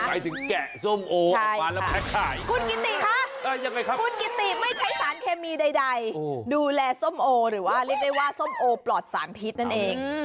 หมายถึงแกะส้มโอออกมาแล้วแพ็คขายคุณกิติคะคุณกิติไม่ใช้สารเคมีใดดูแลส้มโอหรือว่าเรียกได้ว่าส้มโอปลอดสารพิษนั่นเอง